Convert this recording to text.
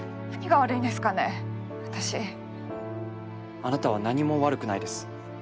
あなたは何も悪くないです。